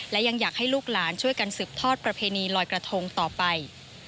และยังอยากให้ลูกหลานช่วยกันสืบทอดประเพณีลอยกระทงต่อไป